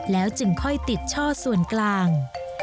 แล้วจึงค่อยติดช่อส่วนกลาง